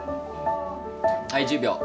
はい１０秒。